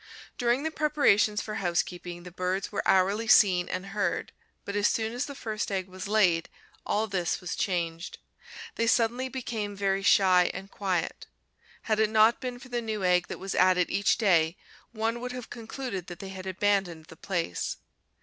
During the preparations for housekeeping the birds were hourly seen and heard, but as soon as the first egg was laid, all this was changed. They suddenly became very shy and quiet. Had it not been for the new egg that was added each day, one would have concluded that they had abandoned the place.